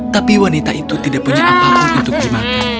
tapi wanita itu tidak punya apapun untuk dimakan